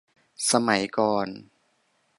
สมัยก่อน